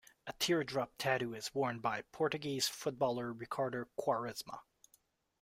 A teardrop tattoo is worn by Portuguese footballer Ricardo Quaresma.